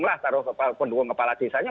lah taruh pendukung kepala desanya